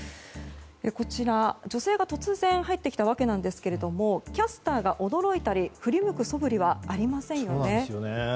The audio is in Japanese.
こちら、女性が突然、入ってきたわけなんですがキャスターが驚いたり振り向くそぶりはありませんよね。